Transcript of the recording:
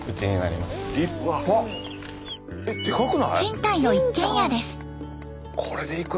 賃貸の一軒家です。